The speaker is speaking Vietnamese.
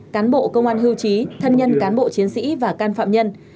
cán bộ công an hưu trí thân nhân cán bộ chiến sĩ và can phạm nhân